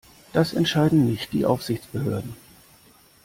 Das entscheiden nicht die Aufsichtsbehörden.